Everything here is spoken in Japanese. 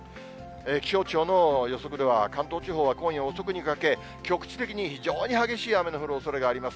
気象庁の予測では、関東地方は今夜遅くにかけ、局地的に非常に激しい雨の降るおそれがあります。